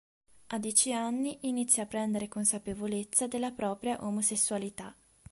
A dieci anni inizia a prendere consapevolezza della propria omosessualità.